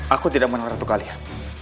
aku tidak menang ratu kalian